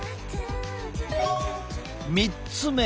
３つ目。